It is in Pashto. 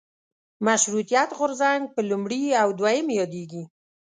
مشروطیت غورځنګ په لومړي او دویم یادېږي.